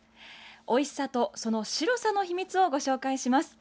おいしさと、その白さの秘密をご紹介します。